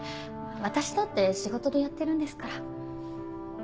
私だって仕事でやってるんですから。